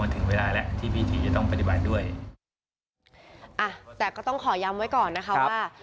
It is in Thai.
แต่ก็ต้องขอย้ำไว้ก่อนนะครับว่า